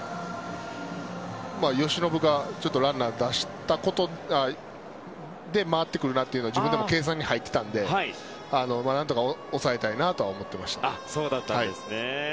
由伸がランナーを出したことで回ってくるなと自分でも計算に入っていたので何とか抑えたいなとは思っていました。